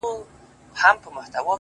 زما ځواني دي ستا د زلفو ښامارونه وخوري ـ